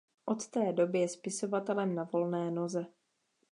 Od té doby je spisovatelem na volné noze.